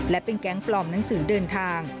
และเป็นแก๊งปลอมหนังสือเดินทาง